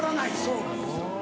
そうなんですよ。